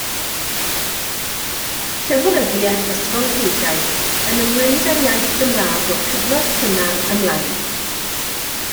Llyfryddiaeth ysgolheigaidd yn ymwneud â'r iaith Gymraeg o'r cyfnod cynnar ymlaen.